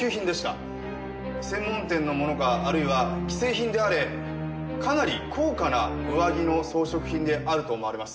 専門店のものかあるいは既製品であれかなり高価な上着の装飾品であると思われます。